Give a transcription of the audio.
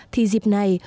thì dịp này